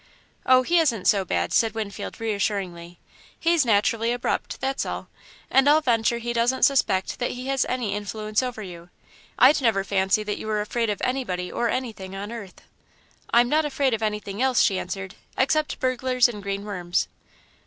"Oh, he isn't so bad," said Winfield, reassuringly, "He's naturally abrupt, that's all; and I'll venture he doesn't suspect that he has any influence over you. I'd never fancy that you were afraid of anybody or anything on earth." "I'm not afraid of anything else," she answered, "except burglars and green worms."